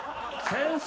先生